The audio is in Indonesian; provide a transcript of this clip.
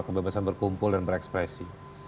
kebebasan berkumpul dan berekspresi